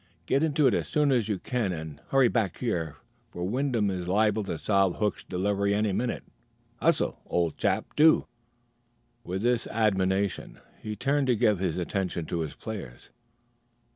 Get into it as soon as you can, and hurry back here; for Wyndham is liable to solve Hook's delivery any minute. Hustle, old chap do." With this admonition, he turned to give his attention to his players.